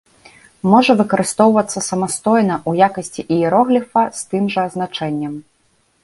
Можа выкарыстоўвацца самастойна ў якасці іерогліфа з тым жа значэннем.